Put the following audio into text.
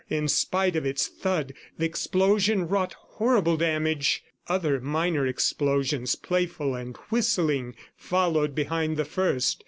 In spite of its thud, the explosion wrought horrible damage. Other minor explosions, playful and whistling, followed behind the first.